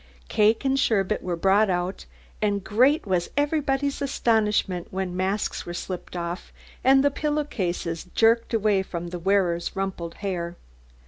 Cake and sherbet were brought out, and great was everybody's astonishment when masks were slipped off, and the pillow cases jerked away from the wearers' rumpled hair.